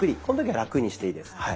この時はラクにしていいです。